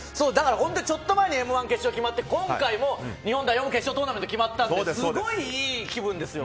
ちょっと前に「Ｍ‐１」決勝決まって今回も日本代表も決勝トーナメント決まったんですごい、いい気分ですよ。